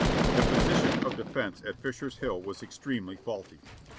"The position of defense at Fisher's Hill was extremely faulty.